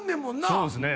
そうですね。